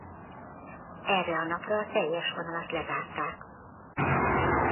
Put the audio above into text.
Erre a napra a teljes vonalat lezárták.